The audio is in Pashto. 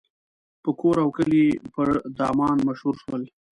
په کور او کلي پر دامان مشهور شول.